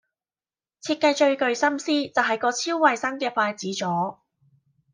設計最具心思就係個超衛生嘅筷子座